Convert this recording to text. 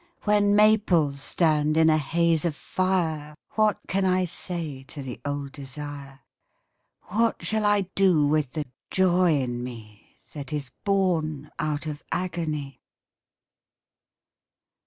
When maples stand in a haze of fire What can I say to the old desire, What shall I do with the joy in me That is born out of agony?